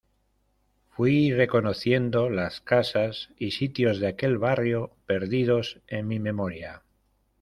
Fuí reconociendo las casas y sitios de aquel barrio perdidos en mi memoria.